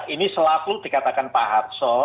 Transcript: ini selaku dikatakan pak arso